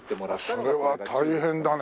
それは大変だね。